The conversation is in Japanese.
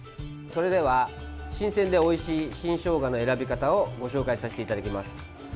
それでは、新鮮でおいしい新ショウガの選び方をご紹介させていただきます。